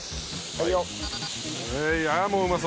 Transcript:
はいよ。